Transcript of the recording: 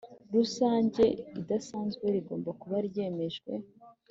Rusange Idasanzwe rigomba kuba ryemejwe